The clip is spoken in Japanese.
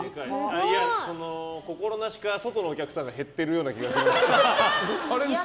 心なしか外のお客さんが減っているような気がする。